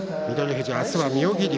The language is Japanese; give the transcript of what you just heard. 富士、明日は妙義龍。